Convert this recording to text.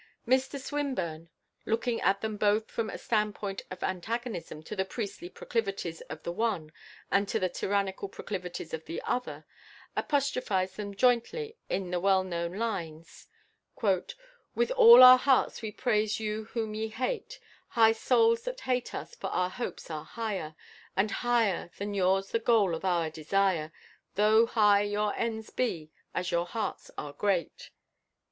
Mr Swinburne, looking at them both from a standpoint of antagonism to the priestly proclivities of the one and to the tyrannical proclivities of the other, apostrophised them jointly in the well known lines: "With all our hearts we praise you whom ye hate, High souls that hate us; for our hopes are higher, And higher than yours the goal of our desire, Though high your ends be as your hearts are great."